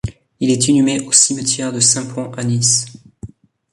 Il est inhumé au cimetière de Saint-Pons à Nice.